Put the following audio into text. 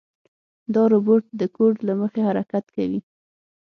دا روبوټ د کوډ له مخې حرکت کوي.